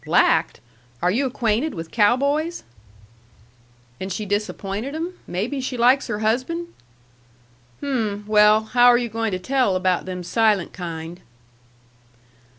"Lacked! Are you acquainted with cow boys?" "And she disappointed 'em? Maybe she likes her husband?" "Hm! well, how are you to tell about them silent kind?"